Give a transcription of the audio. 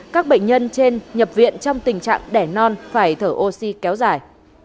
các bệnh nhân trên nhập viện trong tình trạng đẻ non phải thở oxy kéo dài